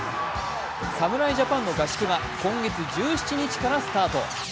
侍ジャパンの合宿が今月１７日からスタート。